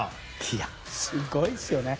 いやすごいですよね。